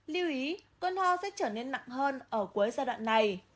lưu ý cơn ho sẽ trở nên nặng hơn ở cuối giai đoạn này